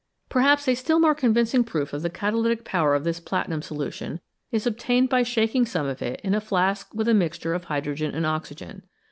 Perhaps a still more convincing proof of the catalytic power of this platinum solution is obtained by shaking some of it in a flask with a mixture of hydrogen and oxygen.